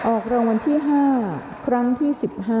ออกรางวัลที่๕ครั้งที่๑๕